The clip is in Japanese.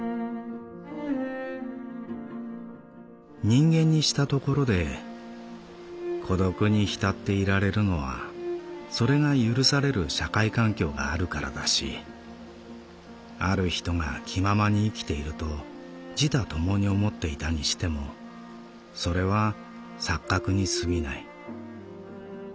「人間にしたところで孤独に浸っていられるのはそれが許される社会環境があるからだしある人が気ままに生きていると自他共に思っていたにしてもそれは錯覚にすぎない。